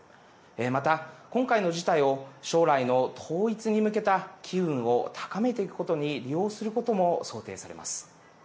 また、今回の事態を将来の統一に向けた機運を高めていくことに利用することも想定されます。